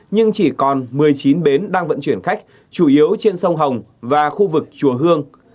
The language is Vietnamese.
nhưng chỉ còn một mươi chín bến đang vận chuyển khách chủ yếu trên sông hồng và khu vực chùa hương